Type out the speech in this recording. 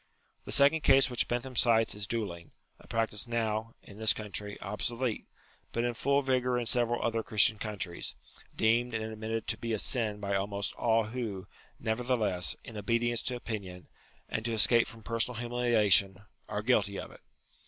The second case which Bentham cites is duelling ; a practice now, in this country, obsolete, but in full vigour in several other Christian countries; deemed and admitted to be a sin by almost all who, nevertheless, in obedience to opinion, and to escape from personal humiliation, are guilty of it.